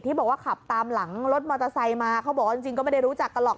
บอกว่าขับตามหลังรถมอเตอร์ไซค์มาเขาบอกว่าจริงก็ไม่ได้รู้จักกันหรอก